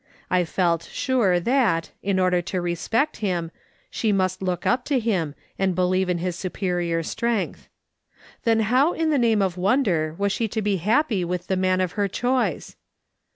I felt sure that, in order to respect him, she must look up to him and believe in his superior strength. Then how in the name of wonder was she to be happy with the man of her choice